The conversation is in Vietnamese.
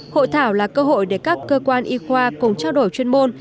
hội thảo là cơ hội để các cơ quan y khoa cùng trao đổi chuyên môn